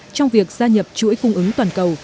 trong việc gia nhập chuỗi cung ứng toàn cầu